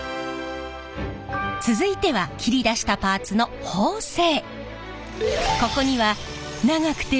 続いては切り出したパーツの縫製。